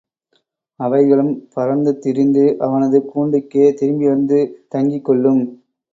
அவைகளும் பறந்து திரிந்து, அவனது கூண்டுக்கே திரும்பி வந்து தங்கிக்கொள்ளும்.